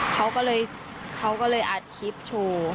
เขาก็เลยอัดคลิปโชว์